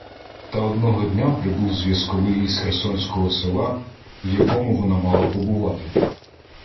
Та одного дня прибув зв'язковий із херсонського села, в якому вона мала побувати.